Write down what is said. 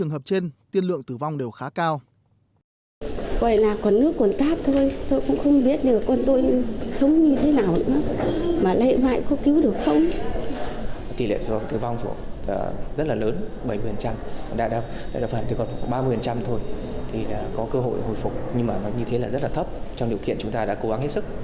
nhưng mà như thế là rất là thấp trong điều kiện chúng ta đã cố gắng hết sức